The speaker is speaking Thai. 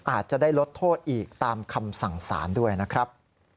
อาจจะได้ลดโทษอีกตามคำสั่งสารด้วยนะครับ